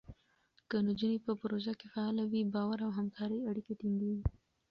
که نجونې په پروژو کې فعاله وي، باور او همکارۍ اړیکې ټینګېږي.